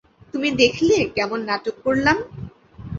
তুমি দেখলে কেমন নাটক করলাম?